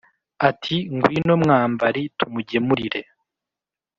ati : ngwino, mwambari, tumugemurire.